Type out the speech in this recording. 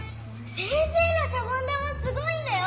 先生のシャボン玉すごいんだよ！